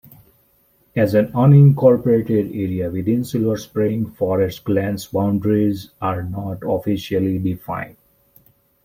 As an unincorporated area within Silver Spring, Forest Glen's boundaries are not officially defined.